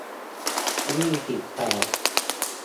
ยี่สิบแปด